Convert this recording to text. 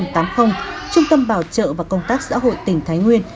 trung tâm bảo trợ và công tác xã hội tỉnh thái nguyên